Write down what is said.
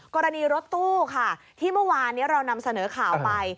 กรณีรถตู้ค่ะที่เมื่อวานนี้เรานำเสนอข่าวไป